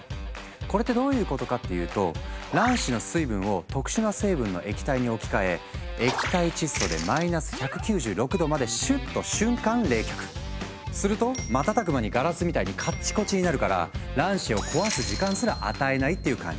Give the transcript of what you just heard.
これってどういうことかっていうと卵子の水分を特殊な成分の液体に置き換えすると瞬く間にガラスみたいにカッチコチになるから卵子を壊す時間すら与えないっていう感じ。